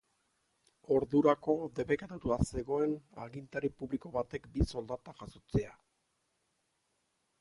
Ordurako debekatuta zegoen agintari publiko batek bi soldata jasotzea.